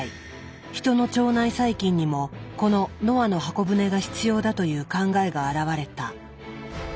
人の腸内細菌にもこのノアの方舟が必要だという考えが現れた。